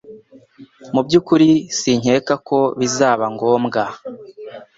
Mubyukuri sinkeka ko bizaba ngombwa